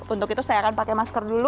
untuk itu saya akan pakai masker dulu